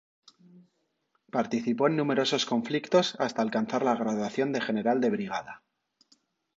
Participó en numerosos conflictos hasta alcanzar la graduación de general de brigada.